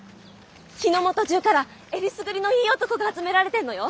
日の本中からえりすぐりのいい男が集められてんのよ！